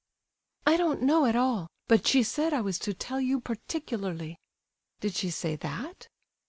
"I don't know at all; but she said I was to tell you particularly." "Did she say that?"